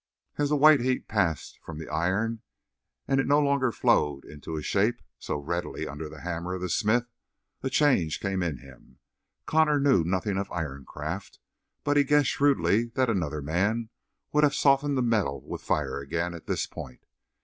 As the white heat passed from the iron and it no longer flowed into a shape so readily under the hammer of the smith, a change came in him. Connor knew nothing of ironcraft, but he guessed shrewdly that another man would have softened the metal with fire again at this point.